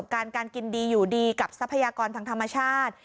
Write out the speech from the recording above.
การการกินดีอยู่ดีกับทรัพยากรทางธรรมชาติ